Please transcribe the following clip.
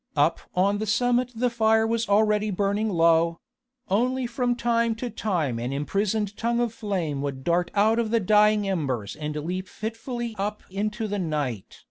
Up on the summit the fire was already burning low; only from time to time an imprisoned tongue of flame would dart out of the dying embers and leap fitfully up into the night.